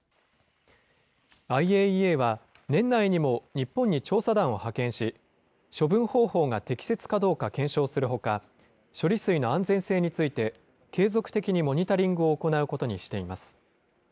ＩＡＥＡは、年内にも日本に調査団を派遣し、処分方法が適切かどうか検証するほか、処理水の安全性について、継続的にモニタリングを行うことにしています。